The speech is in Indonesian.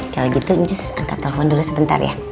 kalau gitu ncus angkat telpon dulu sebentar ya